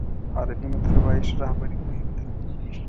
عربي متل وایي ښه رهبري مهم ده.